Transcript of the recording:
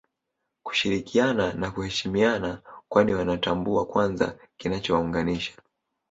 Kushirikiana na kuheshimiana kwani Wanatambua kwanza kinachowaunganisha